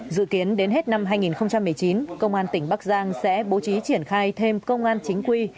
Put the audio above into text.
dự kiến đến hết năm hai nghìn một mươi chín công an tỉnh bắc giang sẽ bố trí triển khai thêm công an chính quy